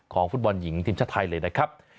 ของฟุตบันหญิงที่มชาวไทยเลยนะครับ